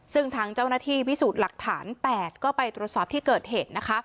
ซึ่งทางเจ้าหน้าที่พิสูจน์หลักฐาน๘ก็ไปตรวจสอบที่เกิดเหตุนะคะ